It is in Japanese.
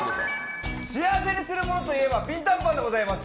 幸せにするものといえばピンタンパンでございます。